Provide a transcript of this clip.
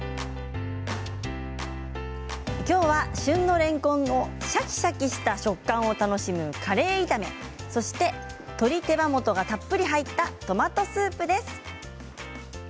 きょうは旬のれんこんのシャキシャキした食感を楽しむカレー炒め、そして鶏手羽元がたっぷり入ったトマトスープです。